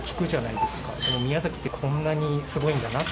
でも、宮崎ってこんなにすごいんだなって。